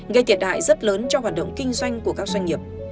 gây thiệt hại rất lớn cho hoạt động kinh doanh của các doanh nghiệp